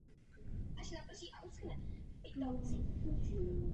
Mužstva se nejprve utkala ve skupině jednokolově systémem každý s každým.